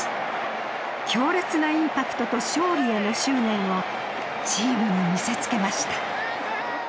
強烈なインパクトと勝利への執念をチームに見せ付けました。